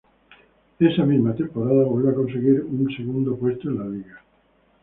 Esa misma temporada vuelve a conseguir un segundo puesto en liga.